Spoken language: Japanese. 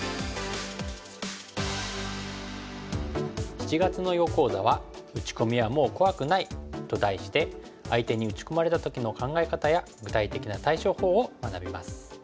７月の囲碁講座は「打ち込みはもう怖くない」と題して相手に打ち込まれた時の考え方や具体的な対処法を学びます。